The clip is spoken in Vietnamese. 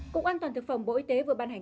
cục an toàn thực phẩm bộ y tế vừa ban hành